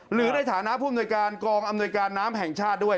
หรือในฐานะผู้อำนวยการกองอำนวยการน้ำแห่งชาติด้วย